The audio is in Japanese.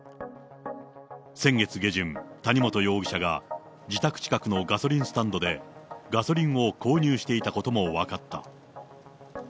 先月下旬、谷本容疑者が自宅近くのガソリンスタンドでガソリンを購入していたことも分かった。